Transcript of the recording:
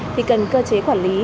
thì cần cơ chế quản lý